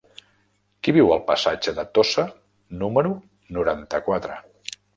Qui viu al passatge de Tossa número noranta-quatre?